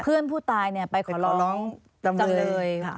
เพื่อนผู้ตายเนี่ยไปขอร้องจำเลยว่าอย่าทำ